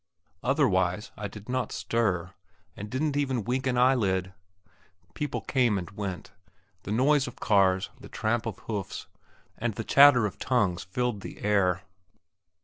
Otherwise I did not stir, and didn't even wink an eyelid. People came and went; the noise of cars, the tramp of hoofs, and chatter of tongues filled the air.